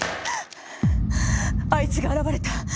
あいつが現れた。